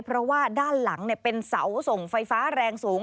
เพราะว่าด้านหลังเป็นเสาส่งไฟฟ้าแรงสูง